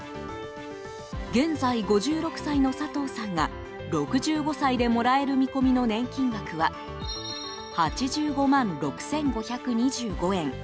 現在５６歳の佐藤さんが６５歳でもらえる見込みの年金額は８５万６５２５円。